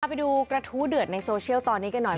ไปดูกระทู้เดือดในโซเชียลตอนนี้กันหน่อย